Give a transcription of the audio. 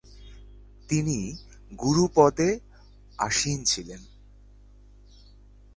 তিনি গুরু পদে আসীন ছিলেন।